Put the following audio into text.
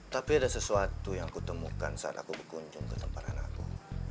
tapi ada sesuatu yang kutemukan saat aku berkunjung ke tempat anakku